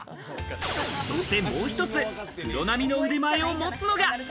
そしてもう１つ、プロ並みの腕前を持つのが。